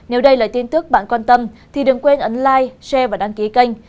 nếu đây là tin tức bạn quan tâm thì đừng quên like share và đăng ký kênh